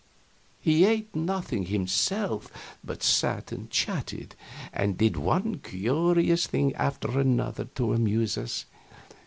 He ate nothing himself, but sat and chatted, and did one curious thing after another to amuse us.